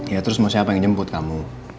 ya terus mau siapa pengen jemput kamu